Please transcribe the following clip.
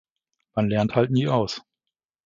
Man lernt halt nie aus.